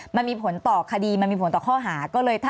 มันมีผลต่อคดีมันมีผลต่อข้อหา